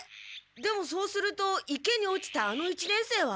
でもそうすると池に落ちたあの一年生は？